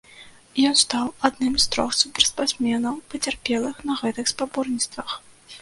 Ён стаў адным з трох суперспартсменаў, пацярпелых на гэтых спаборніцтвах.